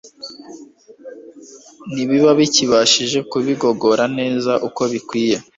ntikiba kikibashije kubigogora neza uko bikwiriye